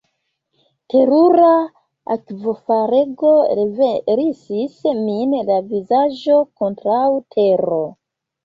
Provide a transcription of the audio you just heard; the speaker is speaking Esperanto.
Terura akvofalego renversis min, la vizaĝo kontraŭ tero.